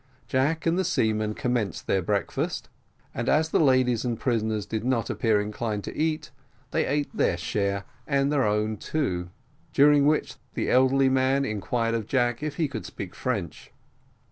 Jack and the seamen commenced their breakfast, and as the ladies and prisoners did not appear inclined to eat, they ate their share and their own too; during which the elderly man inquired of Jack if he could speak French.